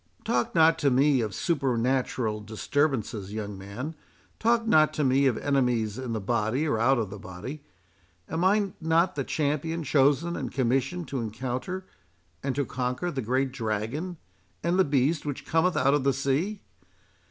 "Talk not to me of supernatural disturbances, young man—talk not to me of enemies in the body or out of the body. Am I not the champion chosen and commissioned to encounter and to conquer the great Dragon, and the Beast which cometh out of the sea?